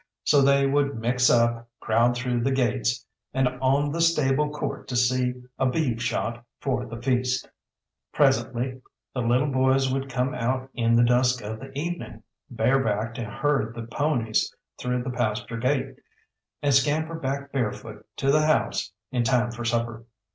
So they would mix up, crowd through the gates, and on the stable court to see a beef shot for the feast. Presently the little boys would come out in the dusk of the evening, bareback to herd the ponies through the pasture gate, and scamper back barefoot to the house in time for supper.